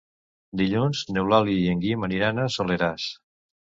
Dilluns n'Eulàlia i en Guim aniran al Soleràs.